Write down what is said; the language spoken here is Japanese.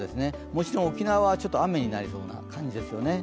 もちろん沖縄は雨になりそうな感じですよね。